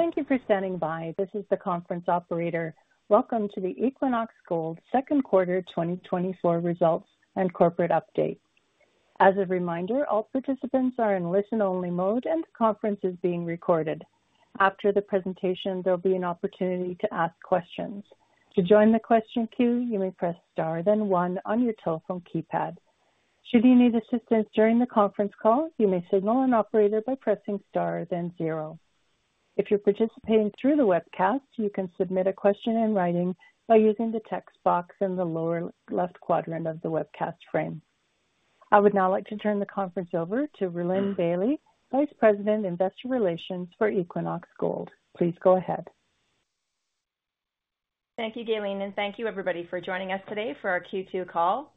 Thank you for standing by. This is the conference operator. Welcome to the Equinox Gold second quarter 2024 results and corporate update. As a reminder, all participants are in listen-only mode, and the conference is being recorded. After the presentation, there'll be an opportunity to ask questions. To join the question queue, you may press star, then one on your telephone keypad. Should you need assistance during the conference call, you may signal an operator by pressing star, then zero. If you're participating through the webcast, you can submit a question in writing by using the text box in the lower left quadrant of the webcast frame. I would now like to turn the conference over to Rhylin Bailie, Vice President, Investor Relations for Equinox Gold. Please go ahead. Thank you, Galene, and thank you everybody for joining us today for our Q2 call.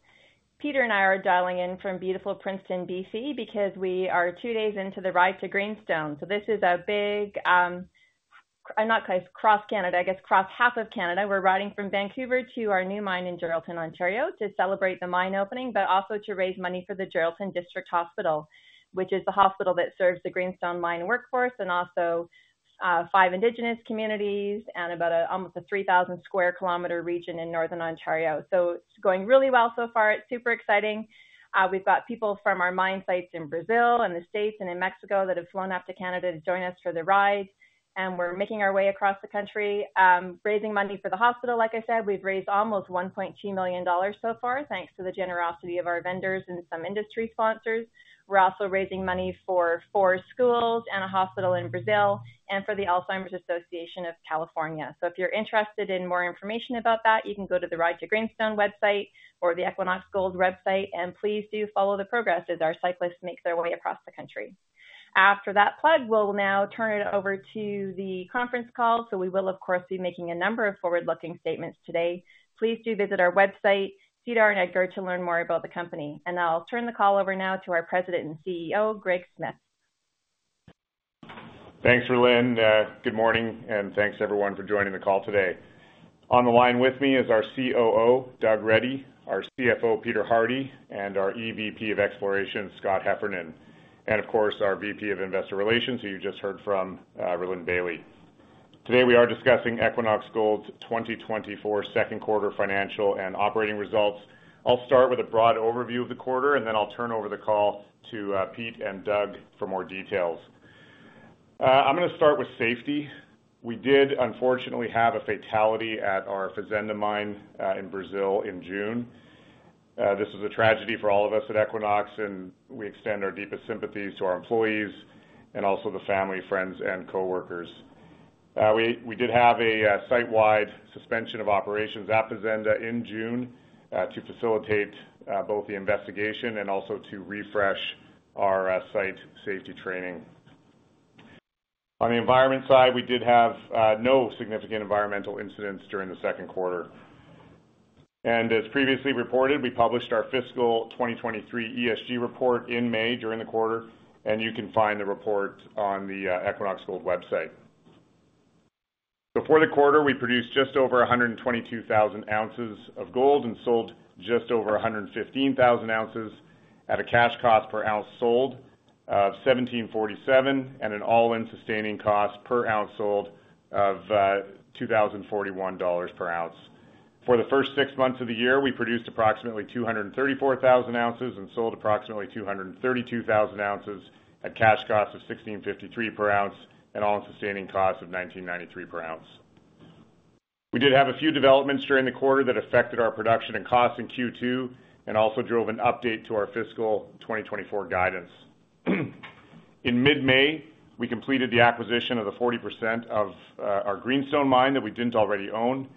Peter and I are dialing in from beautiful Princeton, BC, because we are two days into the ride to Greenstone. This is a big, not quite cross Canada, I guess, cross half of Canada. We're riding from Vancouver to our new mine in Geraldton, Ontario, to celebrate the mine opening, but also to raise money for the Geraldton District Hospital, which is the hospital that serves the Greenstone mine workforce and also five indigenous communities and about almost a 3,000 sq km region in northern Ontario. It's going really well so far. It's super exciting. We've got people from our mine sites in Brazil and the States and in Mexico that have flown up to Canada to join us for the ride, and we're making our way across the country, raising money for the hospital. Like I said, we've raised almost $1.2 million so far, thanks to the generosity of our vendors and some industry sponsors. We're also raising money for four schools and a hospital in Brazil and for the Alzheimer's Association of California. If you're interested in more information about that, you can go to the Ride to Greenstone website or the Equinox Gold website, and please do follow the progress as our cyclists make their way across the country. After that plug, we'll now turn it over to the conference call. We will, of course, be making a number of forward-looking statements today. Please do visit our website, SEDAR and EDGAR, to learn more about the company. I'll turn the call over now to our President and CEO, Greg Smith. Thanks, Rhylin. Good morning, and thanks everyone for joining the call today. On the line with me is our COO, Doug Reddy, our CFO, Peter Hardie, and our EVP of Exploration, Scott Heffernan, and of course, our VP of Investor Relations, who you just heard from, Rhylin Bailie. Today, we are discussing Equinox Gold's 2024 second quarter financial and operating results. I'll start with a broad overview of the quarter, and then I'll turn over the call to Pete and Doug for more details. I'm gonna start with safety. We did, unfortunately, have a fatality at our Fazenda mine in Brazil in June. This is a tragedy for all of us at Equinox, and we extend our deepest sympathies to our employees and also the family, friends, and coworkers. We did have a site-wide suspension of operations at Fazenda in June to facilitate both the investigation and also to refresh our site safety training. On the environment side, we did have no significant environmental incidents during the second quarter. As previously reported, we published our fiscal 2023 ESG report in May during the quarter, and you can find the report on the Equinox Gold website. Before the quarter, we produced just over 122,000 oz of gold and sold just over 115,000 oz at a cash cost per ounce sold of $1,747, and an all-in sustaining cost per ounce sold of $2,041 per oz. For the first six months of the year, we produced approximately 234,000 oz and sold approximately 232,000 oz at cash cost of $1,653 per oz, and all-in sustaining cost of $1,993 per oz. We did have a few developments during the quarter that affected our production and costs in Q2 and also drove an update to our fiscal 2024 guidance. In mid-May, we completed the acquisition of the 40% of our Greenstone mine that we didn't already own.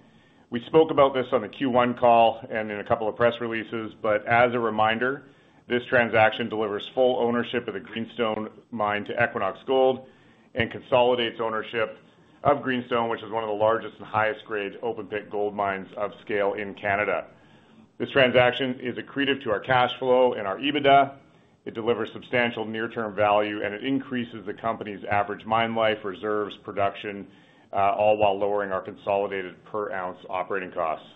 We spoke about this on the Q1 call and in a couple of press releases, but as a reminder, this transaction delivers full ownership of the Greenstone mine to Equinox Gold and consolidates ownership of Greenstone, which is one of the largest and highest grade open pit gold mines of scale in Canada. This transaction is accretive to our cash flow and our EBITDA. It delivers substantial near-term value, and it increases the company's average mine life, reserves, production, all while lowering our consolidated per-ounce operating costs.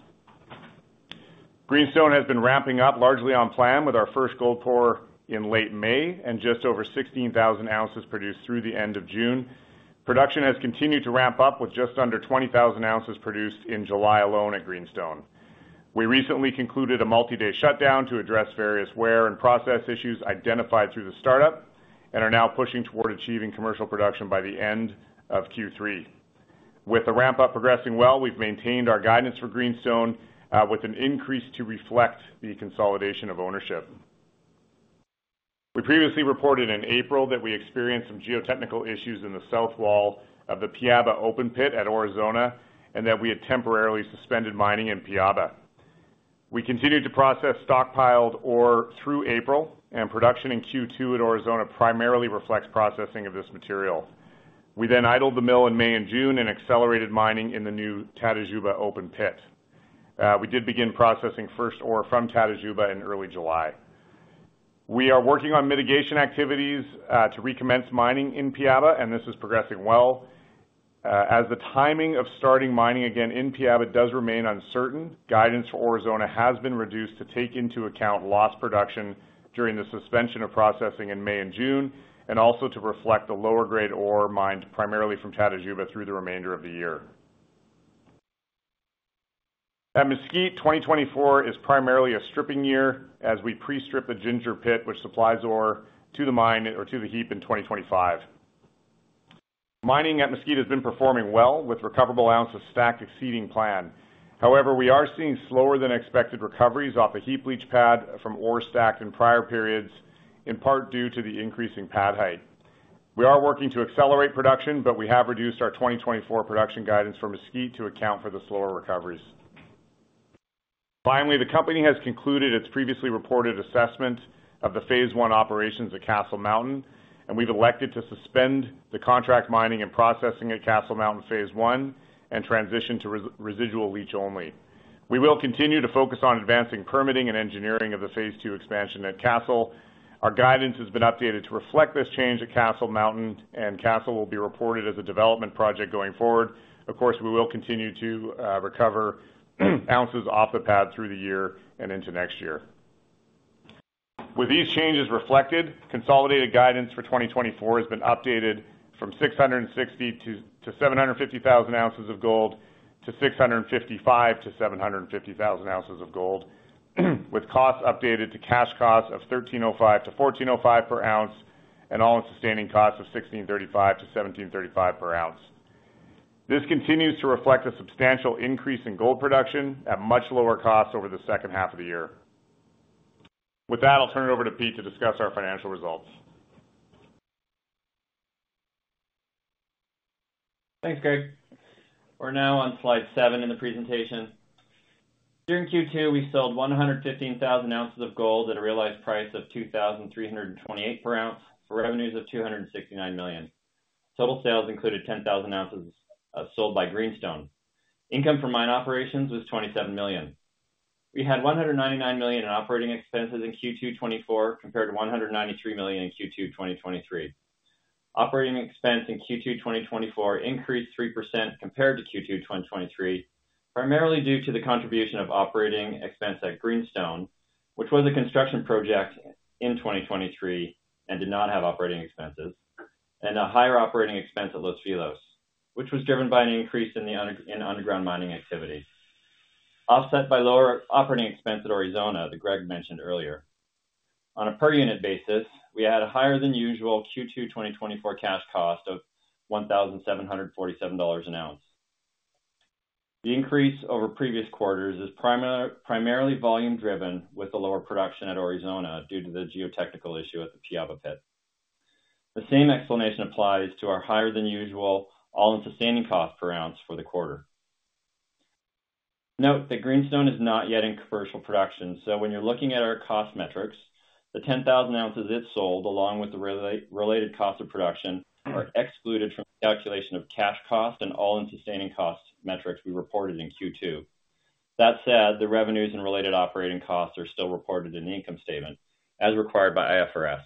Greenstone has been ramping up largely on plan with our first gold pour in late May and just over 16,000 oz produced through the end of June. Production has continued to ramp up, with just under 20,000 oz produced in July alone at Greenstone. We recently concluded a multi-day shutdown to address various wear and process issues identified through the startup and are now pushing toward achieving commercial production by the end of Q3. With the ramp-up progressing well, we've maintained our guidance for Greenstone, with an increase to reflect the consolidation of ownership. We previously reported in April that we experienced some geotechnical issues in the south wall of the Piaba open pit at Aurizona, and that we had temporarily suspended mining in Piaba. We continued to process stockpiled ore through April, and production in Q2 at Aurizona primarily reflects processing of this material. We then idled the mill in May and June and accelerated mining in the new Tatajuba open pit. We did begin processing first ore from Tatajuba in early July. We are working on mitigation activities to recommence mining in Piaba, and this is progressing well. As the timing of starting mining again in Piaba does remain uncertain, guidance for Aurizona has been reduced to take into account lost production during the suspension of processing in May and June, and also to reflect the lower grade ore mined primarily from Tatajuba through the remainder of the year. At Mesquite, 2024 is primarily a stripping year as we pre-strip the Ginger pit, which supplies ore to the mine or to the heap in 2025. Mining at Mesquite has been performing well, with recoverable ounces stacked exceeding plan. However, we are seeing slower than expected recoveries off the heap leach pad from ore stacked in prior periods, in part due to the increasing pad height. We are working to accelerate production, but we have reduced our 2024 production guidance for Mesquite to account for the slower recoveries. Finally, the company has concluded its previously reported assessment of the phase I operations at Castle Mountain, and we've elected to suspend the contract mining and processing at Castle Mountain phase I, and transition to residual leach only. We will continue to focus on advancing permitting and engineering of the phase II expansion at Castle. Our guidance has been updated to reflect this change at Castle Mountain, and Castle will be reported as a development project going forward. Of course, we will continue to recover ounces off the pad through the year and into next year. With these changes reflected, consolidated guidance for 2024 has been updated from 660,000 oz-750,000 oz of gold, to 655,000 oz-750,000 oz of gold, with costs updated to cash costs of $1,305-$1,405 per oz, and all-in sustaining costs of $1,635-$1,735 per oz. This continues to reflect a substantial increase in gold production at much lower costs over the second half of the year. With that, I'll turn it over to Pete to discuss our financial results. Thanks, Greg. We're now on slide seven in the presentation. During Q2, we sold 115,000 oz of gold at a realized price of $2,328 per oz, for revenues of $269 million. Total sales included 10,000 oz sold by Greenstone. Income from mine operations was $27 million. We had $199 million in operating expenses in Q2 2024, compared to $193 million in Q2 2023. Operating expense in Q2 2024 increased 3% compared to Q2 2023, primarily due to the contribution of operating expense at Greenstone, which was a construction project in 2023 and did not have operating expenses, and a higher operating expense at Los Filos, which was driven by an increase in the underground mining activity, offset by lower operating expense at Aurizona, that Greg mentioned earlier. On a per unit basis, we had a higher than usual Q2 2024 cash cost of $1,747 an ounce. The increase over previous quarters is primarily volume driven, with the lower production at Aurizona due to the geotechnical issue at the Piaba pit. The same explanation applies to our higher than usual all-in sustaining cost per ounce for the quarter. Note that Greenstone is not yet in commercial production, so when you're looking at our cost metrics, the 10,000 oz it sold, along with the related cost of production, are excluded from the calculation of cash cost and all-in sustaining cost metrics we reported in Q2. That said, the revenues and related operating costs are still reported in the income statement, as required by IFRS.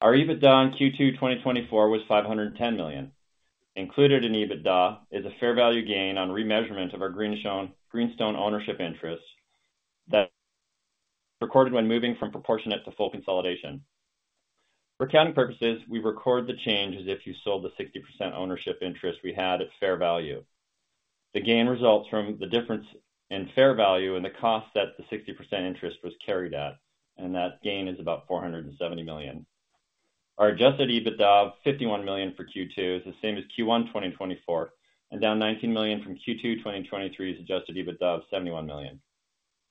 Our EBITDA in Q2 2024 was $510 million. Included in EBITDA is a fair value gain on remeasurement of our Greenstone ownership interest that recorded when moving from proportionate to full consolidation. For accounting purposes, we record the change as if you sold the 60% ownership interest we had at fair value. The gain results from the difference in fair value and the cost that the 60% interest was carried at, and that gain is about $470 million. Our adjusted EBITDA of $51 million for Q2 is the same as Q1 2024, and down $19 million from Q2 2023's adjusted EBITDA of $71 million.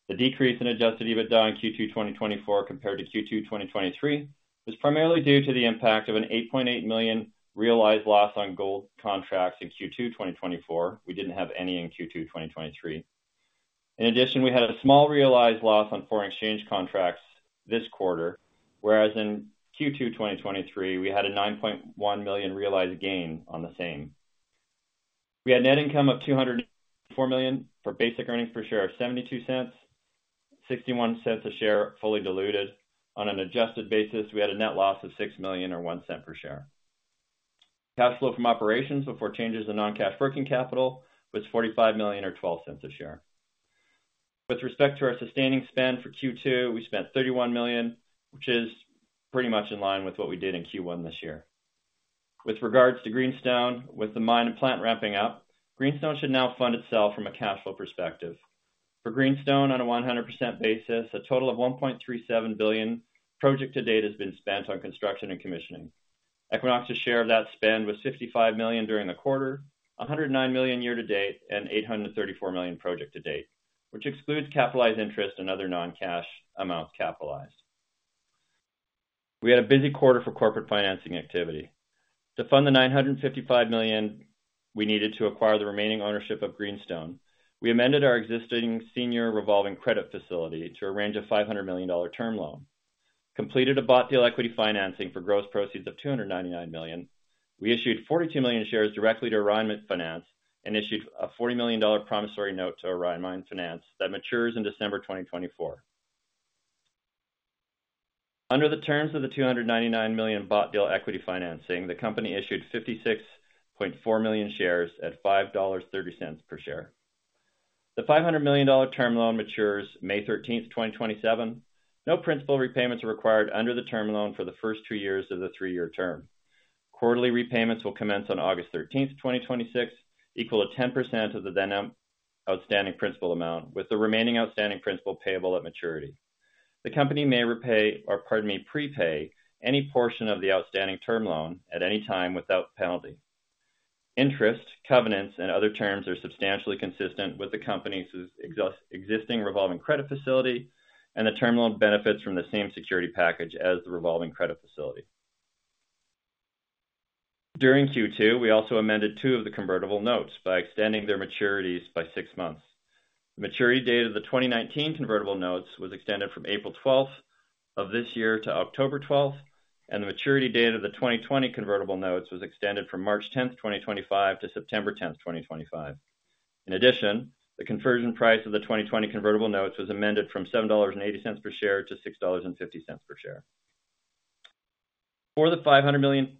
The decrease in adjusted EBITDA in Q2 2024 compared to Q2 2023 is primarily due to the impact of an $8.8 million realized loss on gold contracts in Q2 2024. We didn't have any in Q2 2023. In addition, we had a small realized loss on foreign exchange contracts this quarter, whereas in Q2 2023, we had a $9.1 million realized gain on the same. We had net income of $204 million, for basic earnings per share of $0.72, $0.61 a share, fully diluted. On an adjusted basis, we had a net loss of $6 million or $0.01 per share. Cash flow from operations before changes in non-cash working capital was $45 million or $0.12 a share. With respect to our sustaining spend for Q2, we spent $31 million, which is pretty much in line with what we did in Q1 this year. With regards to Greenstone, with the mine and plant ramping up, Greenstone should now fund itself from a cash flow perspective. For Greenstone, on a 100% basis, a total of $1.37 billion project to date has been spent on construction and commissioning. Equinox's share of that spend was $55 million during the quarter, $109 million year to date, and $834 million project to date, which excludes capitalized interest and other non-cash amounts capitalized. We had a busy quarter for corporate financing activity. To fund the $955 million we needed to acquire the remaining ownership of Greenstone, we amended our existing senior revolving credit facility to a range of $500 million term loan, completed a bought deal equity financing for gross proceeds of $299 million. We issued 42 million shares directly to Orion Mine Finance, and issued a $40 million promissory note to Orion Mine Finance that matures in December 2024. Under the terms of the $299 million bought deal equity financing, the company issued 56.4 million shares at $5.30 per share. The $500 million term loan matures May 13th, 2027. No principal repayments are required under the term loan for the first two years of the three-year term. Quarterly repayments will commence on August 13th, 2026, equal to 10% of the then outstanding principal amount, with the remaining outstanding principal payable at maturity. The company may repay, or pardon me, prepay any portion of the outstanding term loan at any time without penalty. Interest, covenants, and other terms are substantially consistent with the company's existing revolving credit facility, and the term loan benefits from the same security package as the revolving credit facility. During Q2, we also amended two of the convertible notes by extending their maturities by six months. The maturity date of the 2019 convertible notes was extended from April 12 of this year to October 12, and the maturity date of the 2020 convertible notes was extended from March 10, 2025 to September 10, 2025. In addition, the conversion price of the 2020 convertible notes was amended from $7.80 per share to $6.50 per share. For the $500 million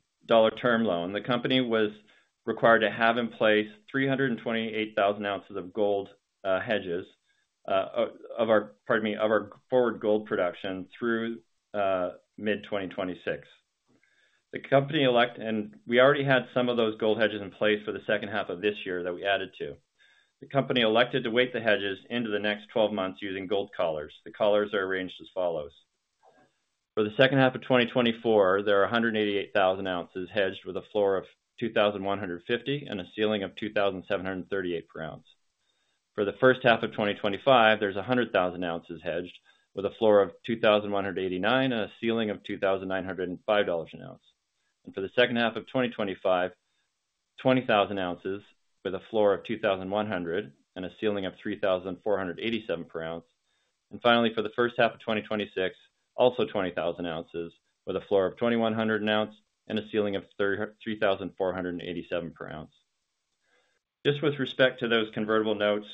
term loan, the company was required to have in place 328,000 oz of gold hedges, pardon me, of our forward gold production through mid-2026. The company and we already had some of those gold hedges in place for the second half of this year that we added to. The company elected to weight the hedges into the next 12 months using gold collars. The collars are arranged as follows: For the second half of 2024, there are 188,000 oz hedged with a floor of $2,150 and a ceiling of $2,738 per ounce. For the first half of 2025, there's 100,000 oz hedged with a floor of $2,189 and a ceiling of $2,905 an oz. For the second half of 2025, 20,000 oz with a floor of $2,100 and a ceiling of $3,487 per oz. Finally, for the first half of 2026, also 20,000 oz with a floor of $2,100 an oz and a ceiling of $3,487 per oz. This, with respect to those convertible notes,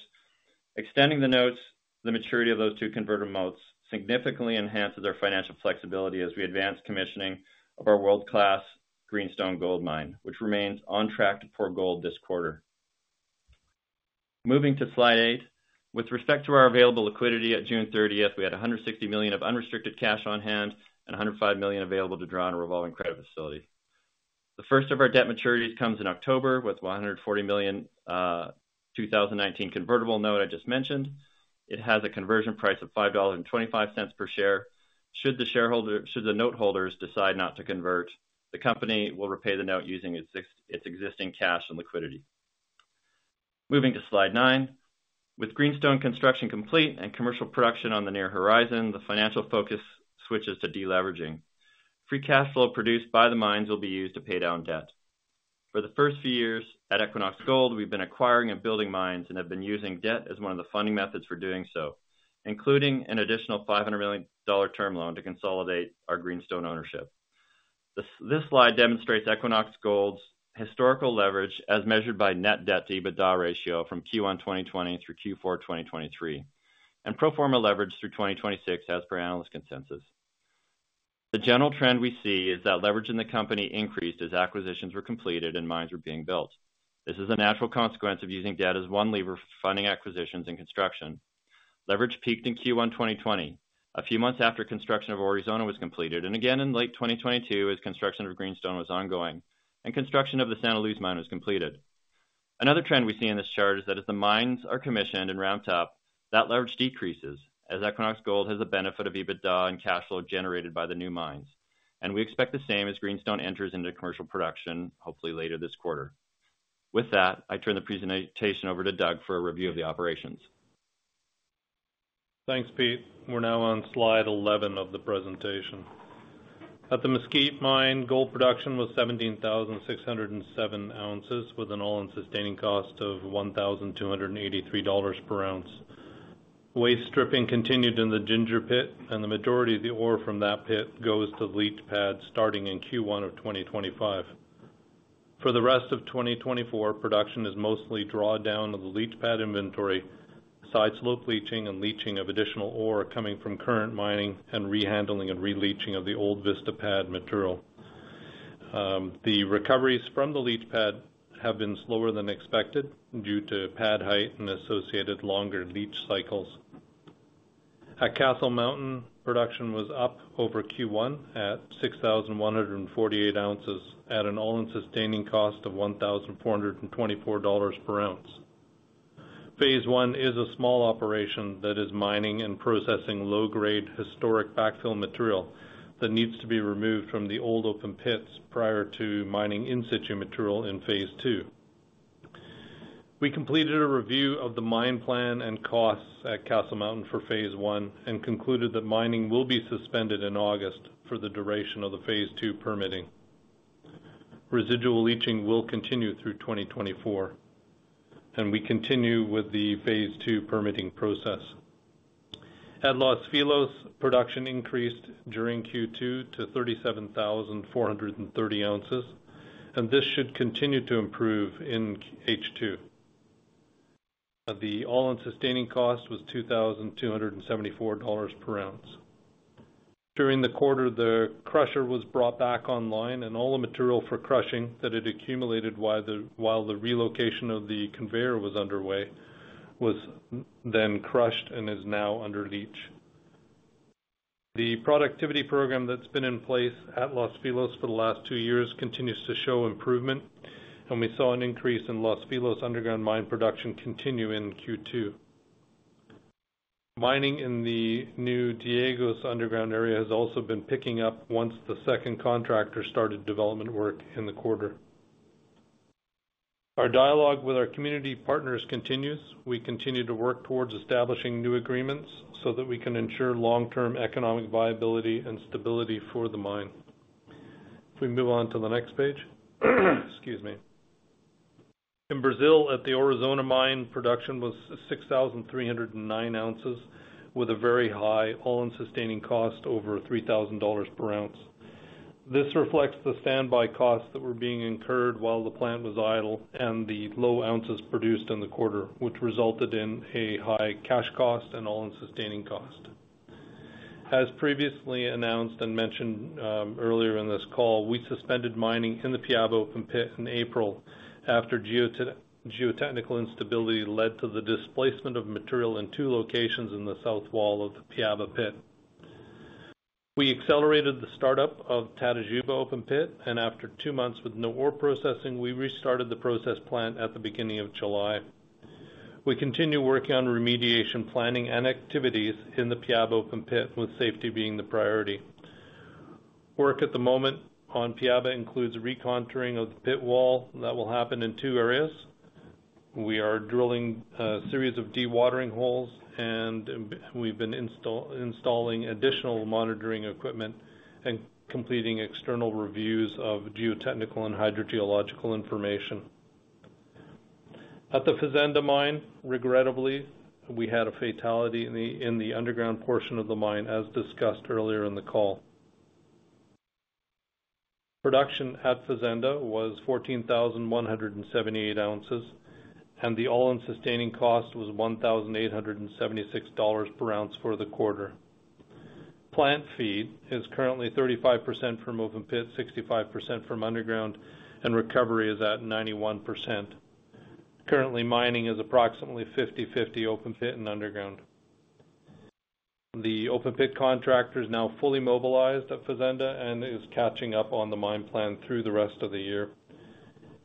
extending the notes, the maturity of those two convertible notes significantly enhances our financial flexibility as we advance commissioning of our world-class Greenstone gold mine, which remains on track to pour gold this quarter. Moving to slide eight. With respect to our available liquidity at June 30, we had $160 million of unrestricted cash on hand and $105 million available to draw on a revolving credit facility. The first of our debt maturities comes in October, with $140 million, 2019 convertible note I just mentioned. It has a conversion price of $5.25 per share. Should the note holders decide not to convert, the company will repay the note using its existing cash and liquidity. Moving to slide nine. With Greenstone construction complete and commercial production on the near horizon, the financial focus switches to deleveraging. Free cash flow produced by the mines will be used to pay down debt. For the first few years at Equinox Gold, we've been acquiring and building mines and have been using debt as one of the funding methods for doing so, including an additional $500 million term loan to consolidate our Greenstone ownership. This slide demonstrates Equinox Gold's historical leverage as measured by net debt to EBITDA ratio from Q1 2020 through Q4 2023, and pro forma leverage through 2026 as per analyst consensus. The general trend we see is that leverage in the company increased as acquisitions were completed and mines were being built. This is a natural consequence of using debt as one lever for funding acquisitions and construction. Leverage peaked in Q1 2020, a few months after construction of Aurizona was completed, and again in late 2022, as construction of Greenstone was ongoing and construction of the Santa Luz mine was completed. Another trend we see in this chart is that as the mines are commissioned and ramped up, that leverage decreases as Equinox Gold has the benefit of EBITDA and cash flow generated by the new mines. We expect the same as Greenstone enters into commercial production, hopefully later this quarter. With that, I turn the presentation over to Doug for a review of the operations. Thanks, Pete. We're now on slide 11 of the presentation. At the Mesquite mine, gold production was 17,607 oz, with an all-in sustaining cost of $1,283 per oz. Waste stripping continued in the Ginger pit, and the majority of the ore from that pit goes to leach pad, starting in Q1 of 2025. For the rest of 2024, production is mostly draw down of the leach pad inventory, side slope leaching and leaching of additional ore coming from current mining and rehandling and releaching of the old Vista pad material. The recoveries from the leach pad have been slower than expected due to pad height and associated longer leach cycles. At Castle Mountain, production was up over Q1 at 6,148 oz at an all-in sustaining cost of $1,424 per oz. Phase I is a small operation that is mining and processing low-grade historic backfill material that needs to be removed from the old open pits prior to mining in situ material in phase II. We completed a review of the mine plan and costs at Castle Mountain for phase one and concluded that mining will be suspended in August for the duration of the phase two permitting. Residual leaching will continue through 2024, and we continue with the phase two permitting process. At Los Filos, production increased during Q2 to 37,430 oz, and this should continue to improve in H2. The all-in sustaining cost was $2,274 per oz. During the quarter, the crusher was brought back online, and all the material for crushing that had accumulated while the relocation of the conveyor was underway was then crushed and is now under leach. The productivity program that's been in place at Los Filos for the last two years continues to show improvement, and we saw an increase in Los Filos underground mine production continue in Q2. Mining in the new Diegos underground area has also been picking up once the second contractor started development work in the quarter. Our dialogue with our community partners continues. We continue to work towards establishing new agreements so that we can ensure long-term economic viability and stability for the mine. If we move on to the next page. Excuse me. In Brazil, at the Aurizona mine, production was 6,309 oz, with a very high all-in sustaining cost, over $3,000 per oz. This reflects the standby costs that were being incurred while the plant was idle and the low ounces produced in the quarter, which resulted in a high cash cost and all-in sustaining cost. As previously announced and mentioned earlier in this call, we suspended mining in the Piaba open pit in April after geotechnical instability led to the displacement of material in two locations in the south wall of the Piaba pit. We accelerated the startup of Tatajuba open pit, and after two months with no ore processing, we restarted the process plant at the beginning of July. We continue working on remediation planning and activities in the Piaba open pit, with safety being the priority. Work at the moment on Piaba includes recontouring of the pit wall. That will happen in two areas. We are drilling a series of dewatering holes, and we've been installing additional monitoring equipment and completing external reviews of geotechnical and hydrogeological information. At the Fazenda mine, regrettably, we had a fatality in the underground portion of the mine, as discussed earlier in the call. Production at Fazenda was 14,178 oz, and the all-in sustaining cost was $1,876 per oz for the quarter. Plant feed is currently 35% from open pit, 65% from underground, and recovery is at 91%. Currently, mining is approximately 50/50 open pit and underground. The open pit contractor is now fully mobilized at Fazenda and is catching up on the mine plan through the rest of the year.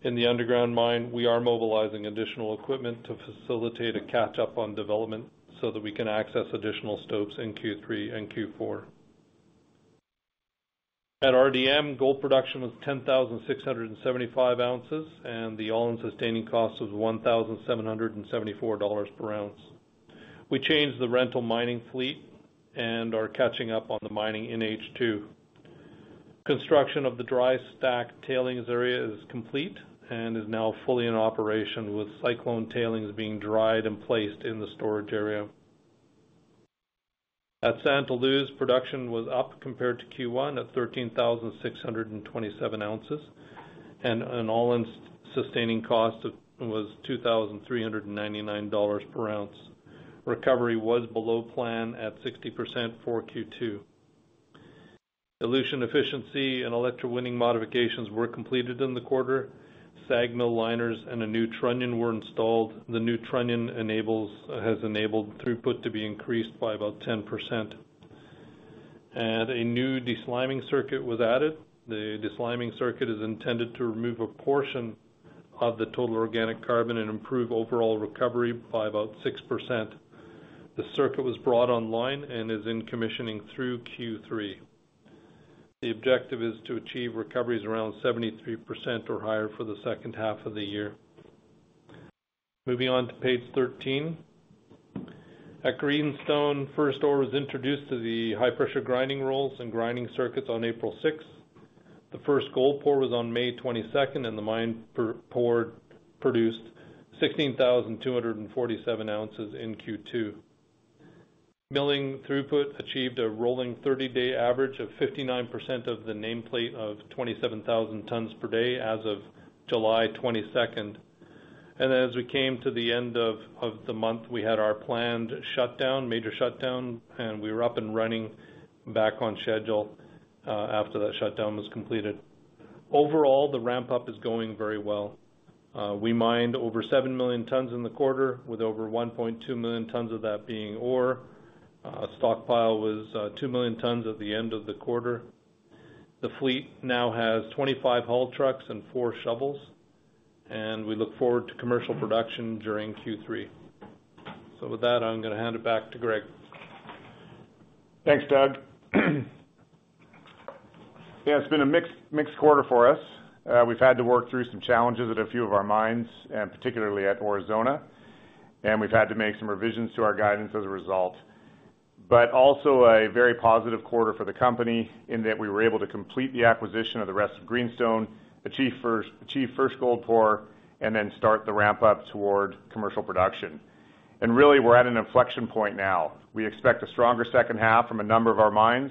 In the underground mine, we are mobilizing additional equipment to facilitate a catch-up on development so that we can access additional stopes in Q3 and Q4. At RDM, gold production was 10,675 oz, and the all-in sustaining cost was $1,774 per oz. We changed the rental mining fleet and are catching up on the mining in H2. Construction of the dry stack tailings area is complete and is now fully in operation, with cyclone tailings being dried and placed in the storage area. At Santa Luz, production was up compared to Q1 at 13,627 oz, and an all-in sustaining cost was $2,399 per oz. Recovery was below plan at 60% for Q2. Dilution efficiency and electrowinning modifications were completed in the quarter. SAG mill liners and a new trunnion were installed. The new trunnion enables, has enabled throughput to be increased by about 10%. A new de-sliming circuit was added. The de-sliming circuit is intended to remove a portion of the total organic carbon and improve overall recovery by about 6%. The circuit was brought online and is in commissioning through Q3. The objective is to achieve recoveries around 73% or higher for the second half of the year. Moving on to page 13. At Greenstone, first ore was introduced to the high pressure grinding rolls and grinding circuits on April 6. The first gold pour was on May 22, and the mine produced 16,247 oz in Q2. Milling throughput achieved a rolling 30-day average of 59% of the nameplate of 27,000 tons per day as of July 22. As we came to the end of the month, we had our planned shutdown, major shutdown, and we were up and running back on schedule after that shutdown was completed. Overall, the ramp-up is going very well. We mined over 7 million tons in the quarter, with over 1.2 million tons of that being ore. Stockpile was 2 million tons at the end of the quarter. The fleet now has 25 haul trucks and 4 shovels, and we look forward to commercial production during Q3. With that, I'm going to hand it back to Greg. Thanks, Doug. Yeah, it's been a mixed, mixed quarter for us. We've had to work through some challenges at a few of our mines, and particularly at Aurizona, and we've had to make some revisions to our guidance as a result. But also a very positive quarter for the company in that we were able to complete the acquisition of the rest of Greenstone, achieve first, achieve first gold pour, and then start the ramp-up toward commercial production. And really, we're at an inflection point now. We expect a stronger second half from a number of our mines....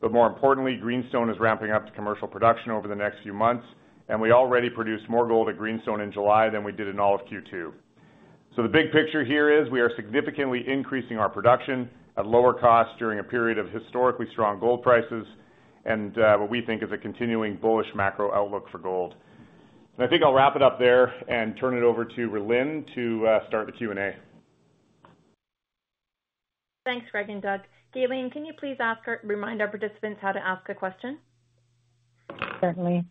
But more importantly, Greenstone is ramping up to commercial production over the next few months, and we already produced more gold at Greenstone in July than we did in all of Q2. So the big picture here is we are significantly increasing our production at lower costs during a period of historically strong gold prices and, what we think is a continuing bullish macro outlook for gold. And I think I'll wrap it up there and turn it over to Rhylin to, start the Q&A. Thanks, Greg and Doug. Galene, can you please remind our participants how to ask a question? Certainly.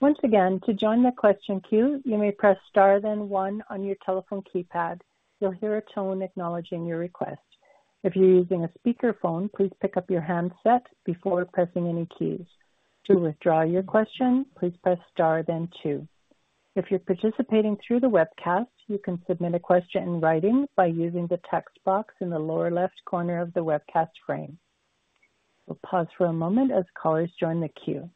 Once again, to join the question queue, you may press star, then one on your telephone keypad. You'll hear a tone acknowledging your request. If you're using a speakerphone, please pick up your handset before pressing any keys. To withdraw your question, please press star, then two. If you're participating through the webcast, you can submit a question in writing by using the text box in the lower left corner of the webcast frame. We'll pause for a moment as callers join the queue.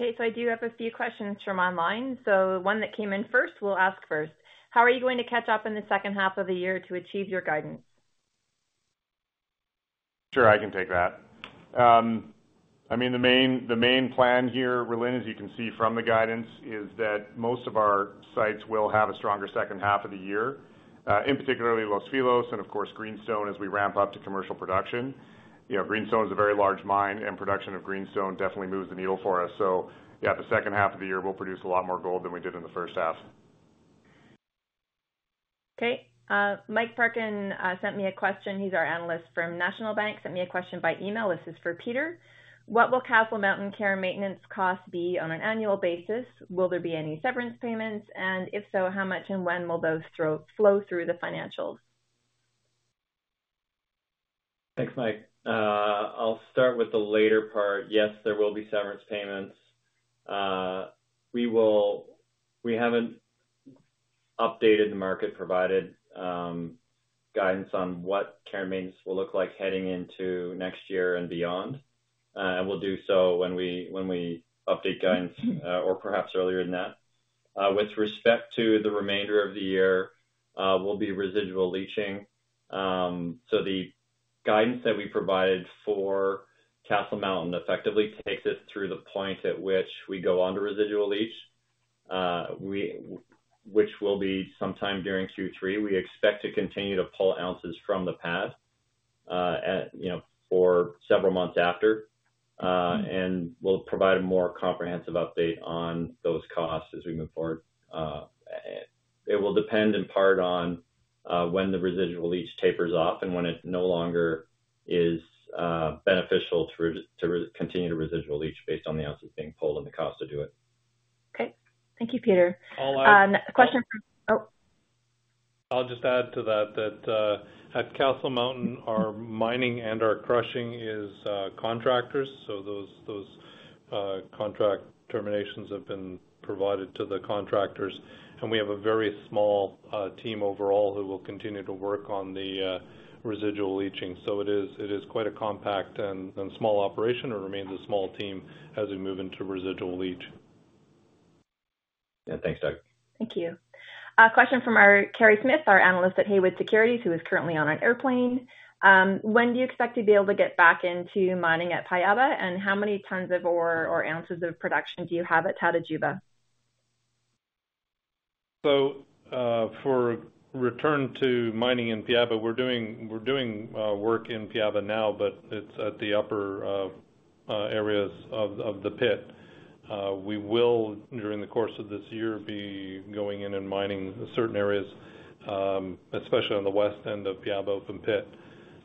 Okay, so I do have a few questions from online. So the one that came in first, we'll ask first. How are you going to catch up in the second half of the year to achieve your guidance? Sure, I can take that. I mean, the main, the main plan here, Rhylin, as you can see from the guidance, is that most of our sites will have a stronger second half of the year, in particularly Los Filos and of course, Greenstone, as we ramp up to commercial production. You know, Greenstone is a very large mine, and production of Greenstone definitely moves the needle for us. So yeah, the second half of the year, we'll produce a lot more gold than we did in the first half. Okay. Mike Parkin sent me a question. He's our analyst from National Bank, sent me a question by email. This is for Peter. What will Castle Mountain care and maintenance costs be on an annual basis? Will there be any severance payments? And if so, how much and when will those flow through the financials? Thanks, Mike. I'll start with the later part. Yes, there will be severance payments. We haven't updated the market, provided guidance on what care and maintenance will look like heading into next year and beyond. And we'll do so when we update guidance, or perhaps earlier than that. With respect to the remainder of the year, we'll be residual leaching. So the guidance that we provided for Castle Mountain effectively takes us through the point at which we go on to residual leach. Which will be sometime during Q3. We expect to continue to pull ounces from the pad, you know, for several months after, and we'll provide a more comprehensive update on those costs as we move forward. It will depend in part on when the residual leach tapers off and when it no longer is beneficial to continue the residual leach based on the ounces being pulled and the cost to do it. Okay. Thank you, Peter. I'll add- Question from... Oh! I'll just add to that, that, at Castle Mountain, our mining and our crushing is, contractors, so those, those, contract terminations have been provided to the contractors, and we have a very small, team overall who will continue to work on the, residual leaching. So it is, it is quite a compact and, and small operation and remains a small team as we move into residual leach. Yeah, thanks, Doug. Thank you. A question from our Kerry Smith, our analyst at Haywood Securities, who is currently on an airplane. When do you expect to be able to get back into mining at Piaba, and how many tons of ore or ounces of production do you have at Tatajuba? So, for return to mining in Piaba, we're doing work in Piaba now, but it's at the upper areas of the pit. We will, during the course of this year, be going in and mining certain areas, especially on the west end of Piaba open pit.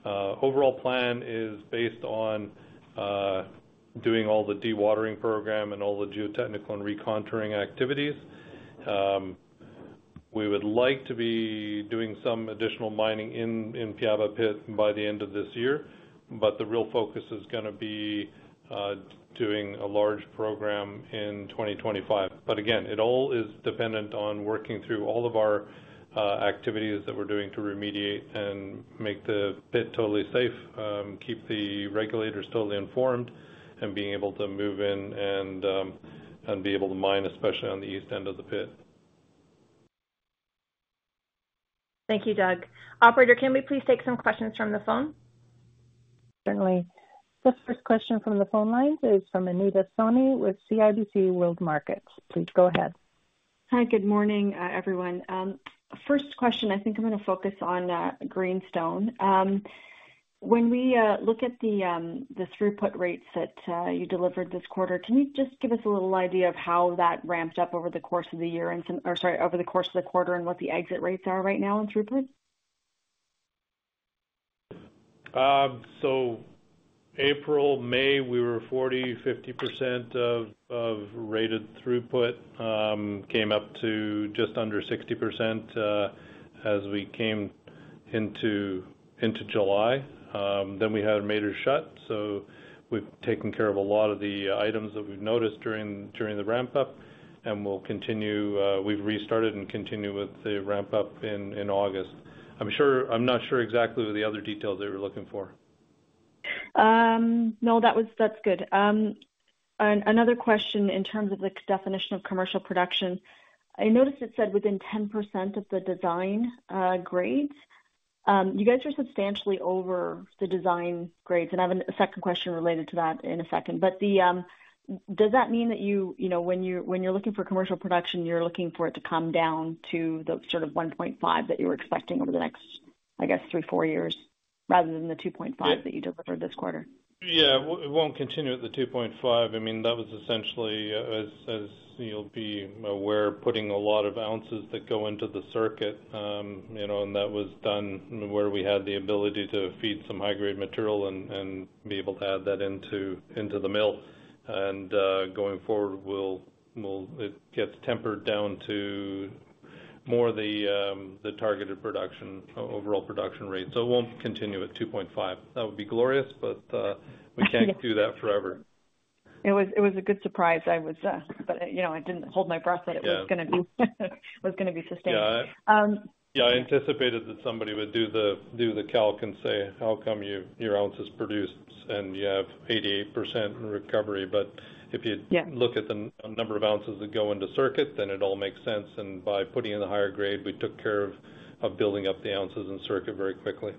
Overall plan is based on doing all the dewatering program and all the geotechnical and recontouring activities. We would like to be doing some additional mining in Piaba pit by the end of this year, but the real focus is gonna be doing a large program in 2025. But again, it all is dependent on working through all of our activities that we're doing to remediate and make the pit totally safe, keep the regulators totally informed, and being able to move in and be able to mine, especially on the east end of the pit. Thank you, Doug. Operator, can we please take some questions from the phone? Certainly. The first question from the phone lines is from Anita Soni with CIBC World Markets. Please go ahead. Hi, good morning, everyone. First question, I think I'm gonna focus on Greenstone. When we look at the throughput rates that you delivered this quarter, can you just give us a little idea of how that ramped up over the course of the year and some-- or sorry, over the course of the quarter, and what the exit rates are right now in throughput? So April, May, we were 40%, 50% of rated throughput, came up to just under 60%, as we came into July. Then we had a major shut, so we've taken care of a lot of the items that we've noticed during the ramp-up, and we'll continue, we've restarted and continue with the ramp-up in August. I'm not sure exactly the other details that you're looking for. No, that's good. Another question in terms of the definition of commercial production. I noticed it said within 10% of the design grade. You guys are substantially over the design grades, and I have a second question related to that in a second. But does that mean that you, you know, when you're looking for commercial production, you're looking for it to come down to the sort of 1.5 that you were expecting over the next, I guess, three, four years, rather than the 2.5 that you delivered this quarter? Yeah. It won't continue at the 2.5. I mean, that was essentially, as you'll be aware, putting a lot of ounces that go into the circuit. You know, and that was done where we had the ability to feed some high-grade material and be able to add that into the mill. And going forward, it gets tempered down to more the targeted production, overall production rate. So it won't continue at 2.5. That would be glorious, but we can't do that forever. It was a good surprise. I was, but, you know, I didn't hold my breath- Yeah. that it was gonna be sustained. Yeah, I anticipated that somebody would do the calc and say: How come you, your ounces produced and you have 88% in recovery? But if you- Yeah.... look at the number of ounces that go into circuit, then it all makes sense, and by putting in the higher grade, we took care of building up the ounces in circuit very quickly.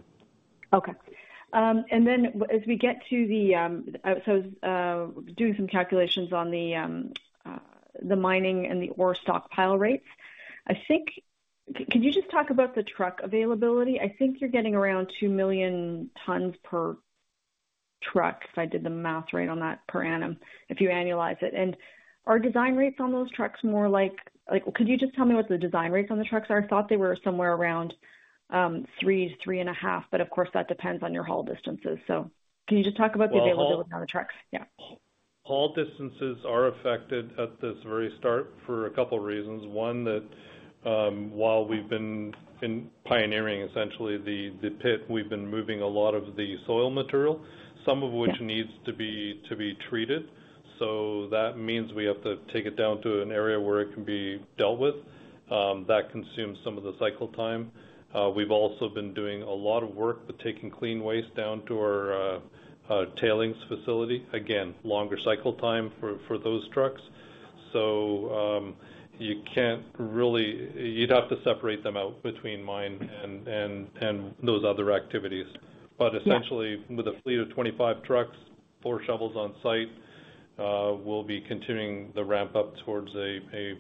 Okay. And then as we get to the, so, doing some calculations on the, the mining and the ore stockpile rates, I think... Could you just talk about the truck availability? I think you're getting around 2 million tons per truck, if I did the math right on that, per annum, if you annualize it. And are design rates on those trucks more like... Could you just tell me what the design rates on those trucks are? I thought they were somewhere around, 3 to 3.5, but of course, that depends on your haul distances. So can you just talk about the availability on the trucks? Yeah. Haul distances are affected at this very start for a couple reasons. One, that while we've been pioneering, essentially, the pit, we've been moving a lot of the soil material, some of which needs to be treated. So that means we have to take it down to an area where it can be dealt with. That consumes some of the cycle time. We've also been doing a lot of work with taking clean waste down to our tailings facility. Again, longer cycle time for those trucks. So you can't really... You'd have to separate them out between mine and those other activities. Yeah. But essentially, with a fleet of 25 trucks, four shovels on site, we'll be continuing the ramp up towards a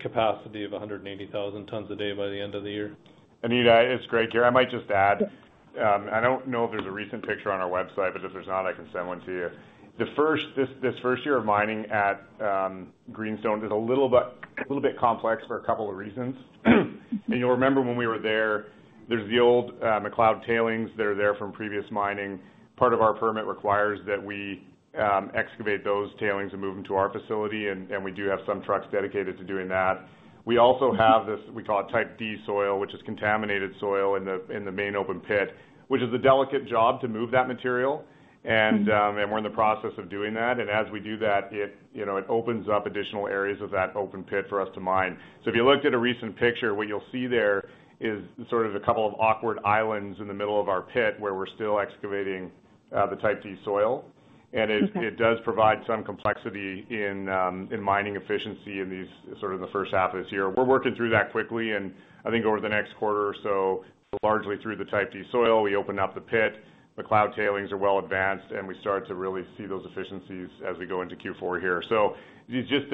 capacity of 180,000 tons a day by the end of the year. Anita, it's Greg here. I might just add, I don't know if there's a recent picture on our website, but if there's not, I can send one to you. This first year of mining at Greenstone is a little bit complex for a couple of reasons. You'll remember when we were there, there's the old McLeod Tailings that are there from previous mining. Part of our permit requires that we excavate those tailings and move them to our facility, and we do have some trucks dedicated to doing that. We also have this, we call it Type D soil, which is contaminated soil in the main open pit, which is a delicate job to move that material. Mm-hmm. And, and we're in the process of doing that. And as we do that, it, you know, it opens up additional areas of that open pit for us to mine. So if you looked at a recent picture, what you'll see there is sort of a couple of awkward islands in the middle of our pit, where we're still excavating the Type D soil. Okay. And it, it does provide some complexity in, in mining efficiency in these, sort of the first half of this year. We're working through that quickly, and I think over the next quarter or so, largely through the Type D soil, we open up the pit, the McLeod Tailings are well advanced, and we start to really see those efficiencies as we go into Q4 here. So it's just,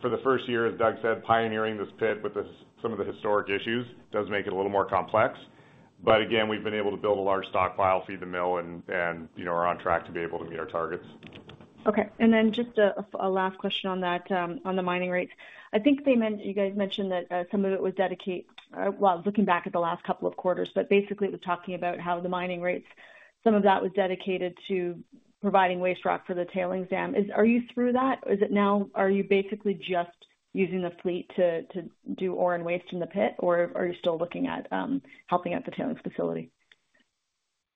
for the first year, as Doug said, pioneering this pit with the, some of the historic issues, does make it a little more complex. But again, we've been able to build a large stockpile, feed the mill and, and, you know, are on track to be able to meet our targets. Okay. And then just a last question on that, on the mining rates. I think they mentioned... You guys mentioned that some of it was dedicated, well, looking back at the last couple of quarters, but basically, it was talking about how the mining rates, some of that was dedicated to providing waste rock for the tailings dam. Are you through that? Is it now, are you basically just using the fleet to do ore and waste in the pit, or are you still looking at helping at the tailings facility?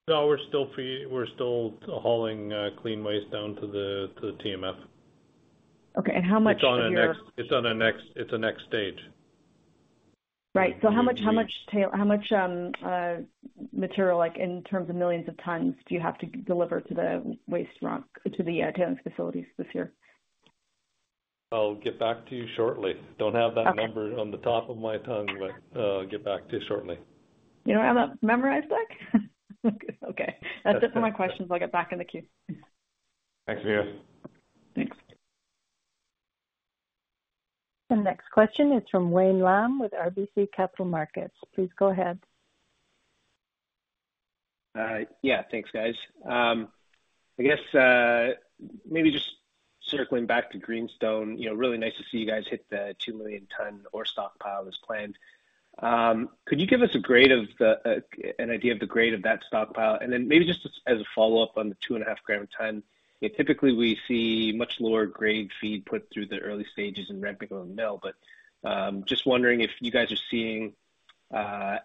No, we're still free. We're still hauling clean waste down to the TMF. Okay, and how much do you- It's the next stage. Right. So how much material, like, in terms of millions of tons, do you have to deliver to the waste rock, to the tailings facilities this year? I'll get back to you shortly. Okay. Don't have that number on the top of my tongue, but get back to you shortly. You don't have that memorized, Doug? Okay. That's it. That's it for my questions. I'll get back in the queue. Thanks, Anita. Thanks. The next question is from Wayne Lam with RBC Capital Markets. Please go ahead. Yeah, thanks, guys. I guess maybe just circling back to Greenstone, you know, really nice to see you guys hit the 2 million ton ore stockpile as planned. Could you give us an idea of the grade of that stockpile? And then maybe just as a follow-up on the 2.5 g per ton, yeah, typically we see much lower grade feed put through the early stages in ramping up the mill. But just wondering if you guys are seeing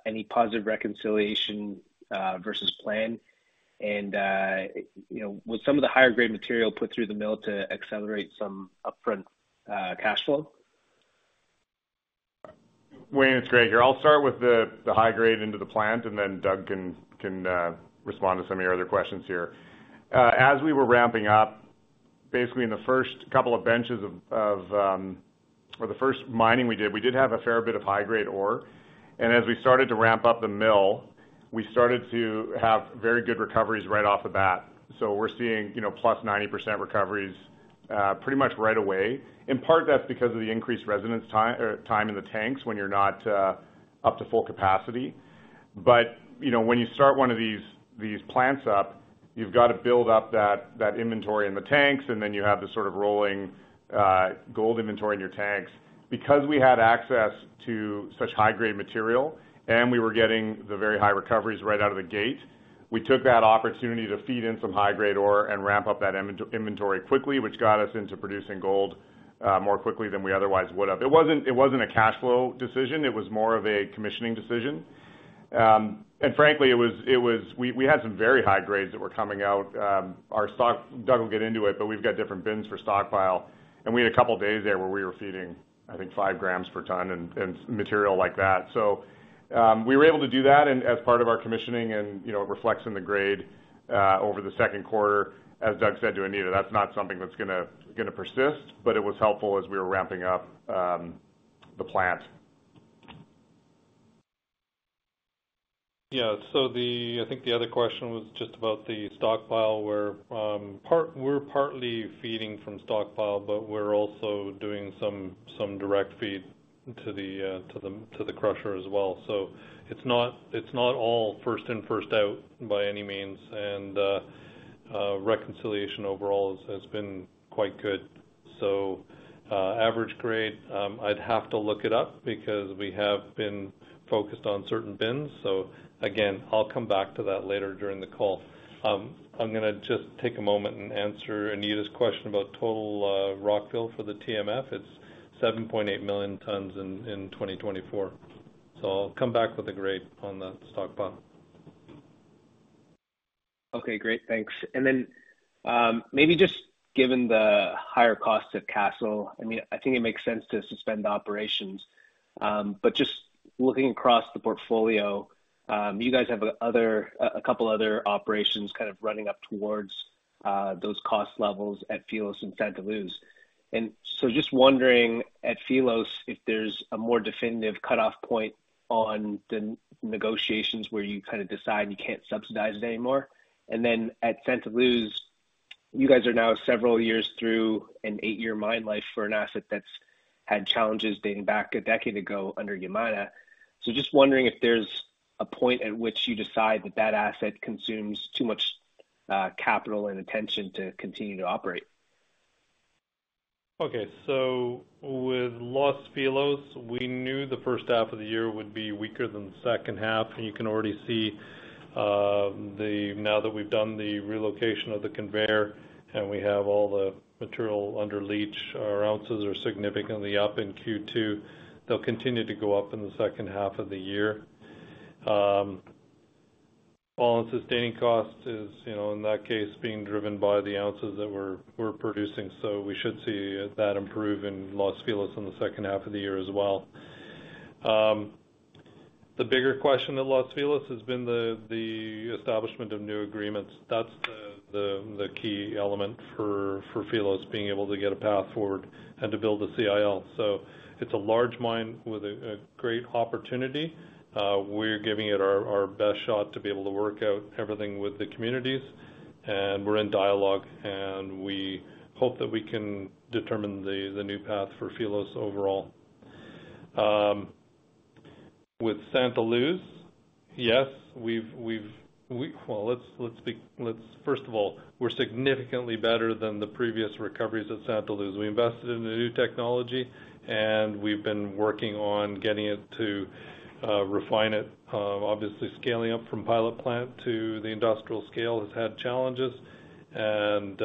any positive reconciliation versus plan, and you know, with some of the higher grade material put through the mill to accelerate some upfront cash flow?... Wayne, it's Greg here. I'll start with the high grade into the plant, and then Doug can respond to some of your other questions here. As we were ramping up, basically in the first couple of benches of, or the first mining we did, we did have a fair bit of high-grade ore. As we started to ramp up the mill, we started to have very good recoveries right off the bat. We're seeing, you know, plus 90% recoveries, pretty much right away. In part, that's because of the increased residence time, time in the tanks when you're not up to full capacity. But, you know, when you start one of these plants up, you've got to build up that inventory in the tanks, and then you have this sort of rolling gold inventory in your tanks. Because we had access to such high-grade material, and we were getting the very high recoveries right out of the gate, we took that opportunity to feed in some high-grade ore and ramp up that inventory quickly, which got us into producing gold more quickly than we otherwise would have. It wasn't a cash flow decision, it was more of a commissioning decision. And frankly, it was we had some very high grades that were coming out. Our stock... Doug will get into it, but we've got different bins for stockpile, and we had a couple of days there where we were feeding, I think, 5 g per ton and material like that. So, we were able to do that and as part of our commissioning and, you know, it reflects in the grade over the second quarter. As Doug said to Anita, that's not something that's gonna persist, but it was helpful as we were ramping up the plant. Yeah. So the, I think the other question was just about the stockpile, where, part-- we're partly feeding from stockpile, but we're also doing some direct feed to the crusher as well. So it's not, it's not all first in, first out by any means. And reconciliation overall has been quite good. So average grade, I'd have to look it up because we have been focused on certain bins. So again, I'll come back to that later during the call. I'm gonna just take a moment and answer Anita's question about total rockfill for the TMF. It's 7.8 million tons in 2024. So I'll come back with a grade on the stockpile. Okay, great. Thanks. And then, maybe just given the higher costs at Castle, I mean, I think it makes sense to suspend operations. But just looking across the portfolio, you guys have other, a couple other operations kind of running up towards those cost levels at Filos and Santa Luz. And so just wondering, at Filos, if there's a more definitive cutoff point on the negotiations where you kind of decide you can't subsidize it anymore? And then at Santa Luz, you guys are now several years through an eight-year mine life for an asset that's had challenges dating back a decade ago under Yamana. So just wondering if there's a point at which you decide that that asset consumes too much capital and attention to continue to operate. Okay, so with Los Filos, we knew the first half of the year would be weaker than the second half, and you can already see now that we've done the relocation of the conveyor, and we have all the material under leach, our ounces are significantly up in Q2. They'll continue to go up in the second half of the year. All-in sustaining cost is, you know, in that case, being driven by the ounces that we're producing, so we should see that improve in Los Filos in the second half of the year as well. The bigger question at Los Filos has been the establishment of new agreements. That's the key element for Filos being able to get a path forward and to build a CIL. So it's a large mine with a great opportunity. We're giving it our best shot to be able to work out everything with the communities, and we're in dialogue, and we hope that we can determine the new path for Los Filos overall. With Santa Luz, yes, we've – well, let's be. First of all, we're significantly better than the previous recoveries at Santa Luz. We invested in the new technology, and we've been working on getting it to refine it. Obviously, scaling up from pilot plant to the industrial scale has had challenges, and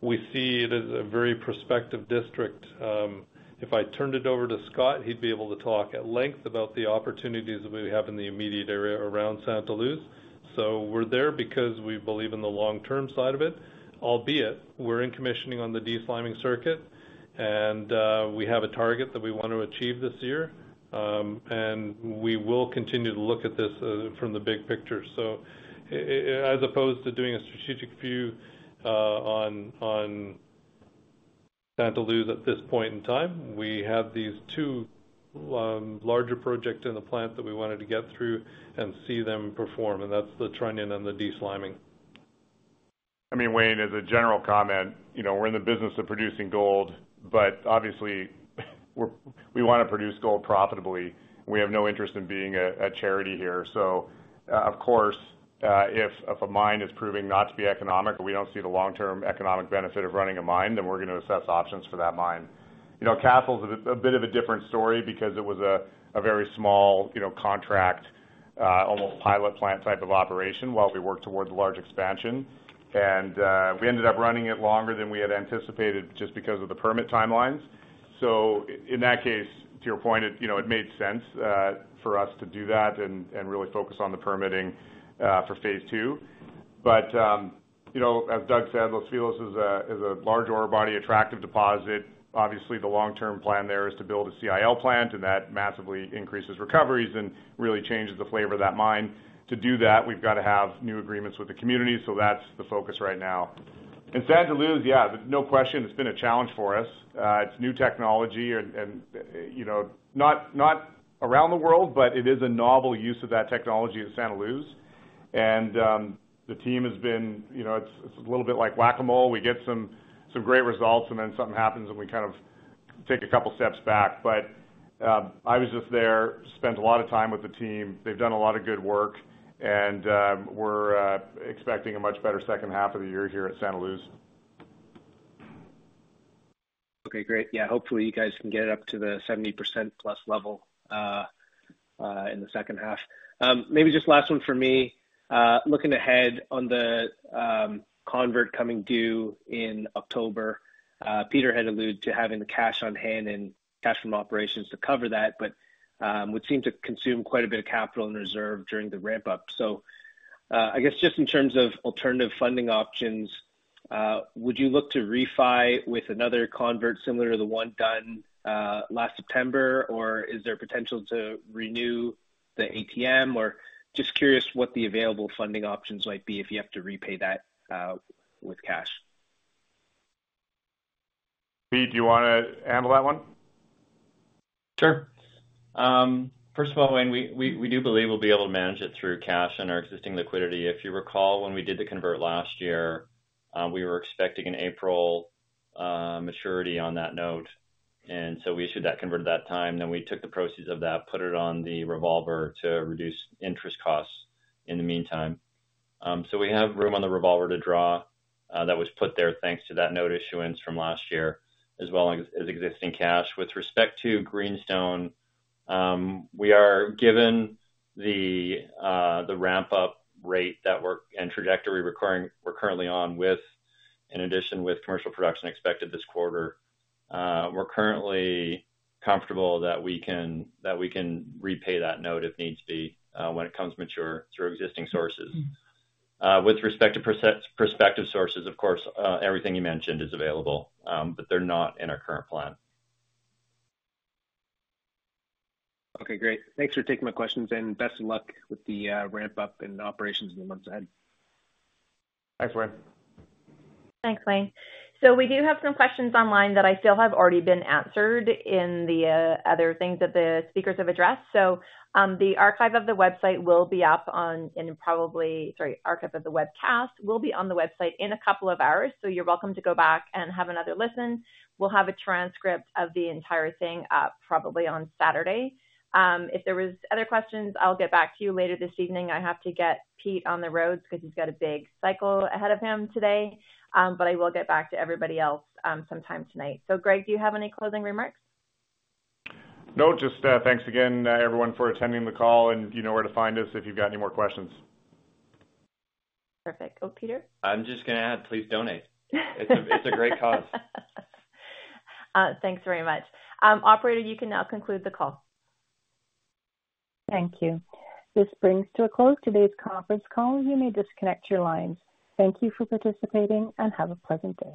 we see it as a very prospective district. If I turned it over to Scott, he'd be able to talk at length about the opportunities that we have in the immediate area around Santa Luz. So we're there because we believe in the long-term side of it, albeit we're in commissioning on the de-sliming circuit, and we have a target that we want to achieve this year. And we will continue to look at this from the big picture. So as opposed to doing a strategic view on Santa Luz at this point in time, we have these two larger projects in the plant that we wanted to get through and see them perform, and that's the trunnion and the de-sliming. I mean, Wayne, as a general comment, you know, we're in the business of producing gold, but obviously, we wanna produce gold profitably. We have no interest in being a charity here. So of course, if a mine is proving not to be economic, or we don't see the long-term economic benefit of running a mine, then we're gonna assess options for that mine. You know, Castle's a bit of a different story because it was a very small, you know, contract, almost pilot plant type of operation while we worked towards a large expansion. And we ended up running it longer than we had anticipated just because of the permit timelines. So in that case, to your point, it, you know, it made sense for us to do that and really focus on the permitting for phase II. But you know, as Doug said, Los Filos is a large ore body, attractive deposit. Obviously, the long-term plan there is to build a CIL plant, and that massively increases recoveries and really changes the flavor of that mine. To do that, we've got to have new agreements with the community, so that's the focus right now. In Santa Luz, yeah, no question, it's been a challenge for us. It's new technology and, you know, not around the world, but it is a novel use of that technology in Santa Luz. And the team has been, you know, it's a little bit like Whack-A-Mole. We get some great results, and then something happens, and we kind of take a couple steps back. But I was just there, spent a lot of time with the team. They've done a lot of good work, and we're expecting a much better second half of the year here at Santa Luz. Okay, great. Yeah, hopefully, you guys can get it up to the 70%+ level in the second half. Maybe just last one for me. Looking ahead on the convert coming due in October, Peter had alluded to having the cash on hand and cash from operations to cover that, but would seem to consume quite a bit of capital and reserve during the ramp-up. So, I guess, just in terms of alternative funding options, would you look to refi with another convert similar to the one done last September? Or is there potential to renew the ATM? Or just curious what the available funding options might be if you have to repay that with cash. Pete, do you wanna handle that one? Sure. First of all, Wayne, we do believe we'll be able to manage it through cash and our existing liquidity. If you recall, when we did the convert last year, we were expecting an April maturity on that note, and so we issued that convert at that time. Then we took the proceeds of that, put it on the revolver to reduce interest costs in the meantime. So we have room on the revolver to draw that was put there, thanks to that note issuance from last year, as well as existing cash. With respect to Greenstone, we are given the ramp-up rate that we're on and the trajectory we're currently on with, in addition, commercial production expected this quarter. We're currently comfortable that we can repay that note, if needs be, when it comes mature through existing sources. With respect to prospective sources, of course, everything you mentioned is available, but they're not in our current plan. Okay, great. Thanks for taking my questions, and best of luck with the ramp-up and operations in the months ahead. Thanks, Wayne. Thanks, Wayne. So we do have some questions online that I feel have already been answered in the other things that the speakers have addressed. So, the archive of the webcast will be on the website in a couple of hours, so you're welcome to go back and have another listen. We'll have a transcript of the entire thing up probably on Saturday. If there was other questions, I'll get back to you later this evening. I have to get Pete on the road because he's got a big cycle ahead of him today. But I will get back to everybody else sometime tonight. So, Greg, do you have any closing remarks? No, just, thanks again, everyone, for attending the call, and you know where to find us if you've got any more questions. Perfect. Oh, Peter? I'm just gonna add, please donate. It's a, it's a great cause. Thanks very much. Operator, you can now conclude the call. Thank you. This brings to a close today's conference call. You may disconnect your lines. Thank you for participating, and have a pleasant day.